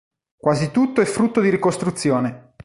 Quasi tutto è frutto di ricostruzione.